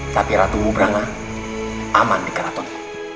tapi ratu wubrangan aman di keraton